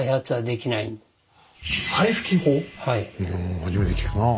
初めて聞くなあ。